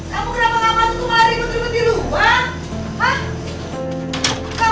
kamu kenapa gak masuk ke malam ribut ribut di rumah